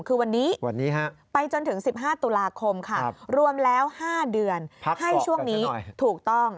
คือวันนี้ไปจนถึง๑๕ตุลาคมค่ะรวมแล้ว๕เดือนให้ช่วงนี้ถูกต้อง